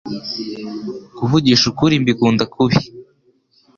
kuvugisha ukuri mbikunda kubi